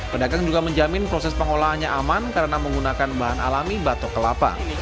pedagang juga menjamin proses pengolahannya aman karena menggunakan bahan alami batok kelapa